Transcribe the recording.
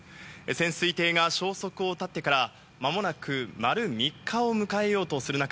潜水艇が消息を絶ってからまもなく丸３日を迎えようとする中